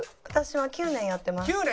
私は９年やってます。